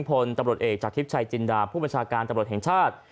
พลตำรวจเอกจากทิพย์ชัยจินดาผู้บัญชาการตำรวจแห่งชาติ